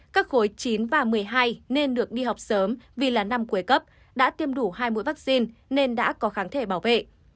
các khối chín và một mươi hai nên được đi học sớm vì là năm cuối cấp đã tiêm đủ hai mũi vaccine nên đã có kháng thể bảo vệ